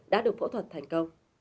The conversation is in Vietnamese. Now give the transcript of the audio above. đã được phẫu thuật thành công